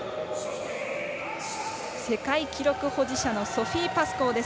世界記録保持者のソフィー・パスコーです。